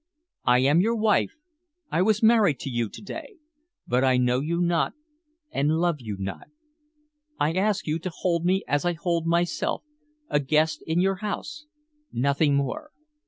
I am your wife I was married to you to day but I know you not and love you not. I ask you to hold me as I hold myself, a guest in your house, nothing more.